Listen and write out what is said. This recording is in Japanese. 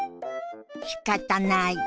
「しかたない」。